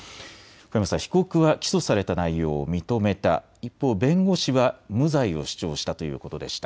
小山さん、被告は起訴された内容を認めた一方、弁護士が無罪を主張したということでした。